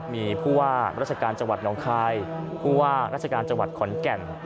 มีผู้ว่าราชการจังหวัดน้องคายผู้ว่าราชการจังหวัดขอนแก่น